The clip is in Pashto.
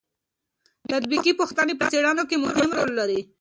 تطبیقي پوښتنې په څېړنو کې مهم رول لري.